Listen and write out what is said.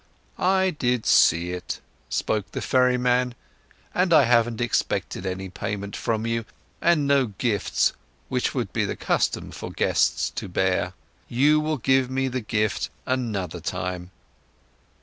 "I did see it," spoke the ferryman, "and I haven't expected any payment from you and no gift which would be the custom for guests to bear. You will give me the gift another time."